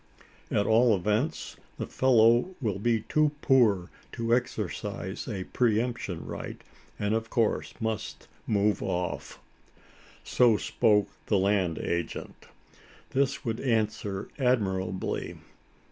"At all events, the fellow will be too poor to exercise the pre emption right, and of course must move off." So spoke the land agent. This would answer admirably.